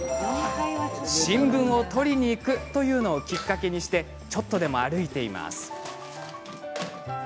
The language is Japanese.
新聞を取りに行くというのをきっかけにしてちょっとでも歩いています。